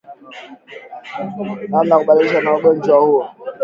Namna ya kukabiliana na ugonjwa